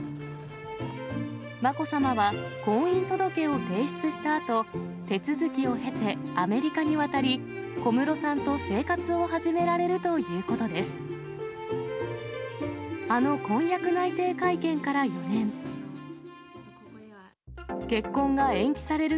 まこさまは、婚姻届を提出したあと、手続きを経て、アメリカに渡り、小室さんと生活を始められるということです。